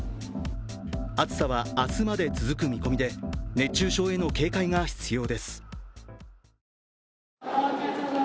暑さは明日まで続く見込みで熱中症への警戒が必要です。